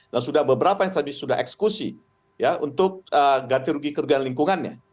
dan sudah beberapa yang tadi sudah eksekusi ya untuk ganti rugi kerugian lingkungannya